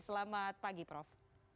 selamat pagi prof